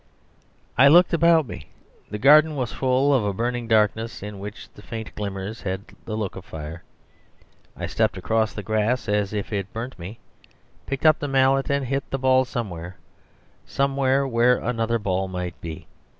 I looked about me. The garden was full of a burning darkness, in which the faint glimmers had the look of fire. I stepped across the grass as if it burnt me, picked up the mallet, and hit the ball somewhere somewhere where another ball might be.